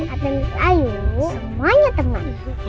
kata miss ayu semuanya teman